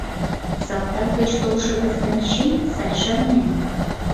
Салтак гыч толшо Кыстынчий сай шарнем.